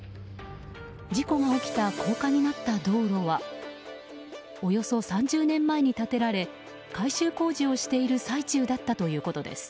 事故が起きた高架になった道路はおよそ３０年前に建てられ改修工事をしている最中だったということです。